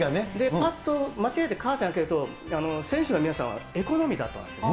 ぱっと間違えてカーテン開けると、選手の皆さんはエコノミーだったんですよ。